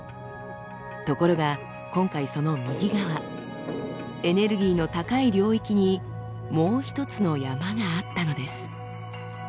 ところが今回その右側エネルギーの高い領域にもう一つの山があったのです。